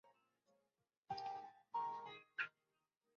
তবে এটার সাথে সাথে আরেকটা উপহারও পেয়েছি।